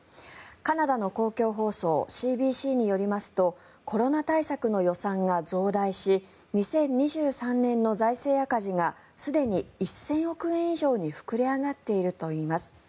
カナダの公共放送ＣＢＣによりますとコロナ対策の予算が増大し２０２３年の財政赤字がすでに１０００億円以上に膨れ上がっているといいます。